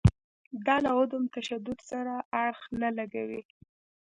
دا له عدم تشدد سره اړخ نه لګوي.